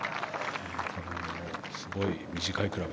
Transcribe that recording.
すごく短いクラブ。